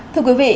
thưa quý vị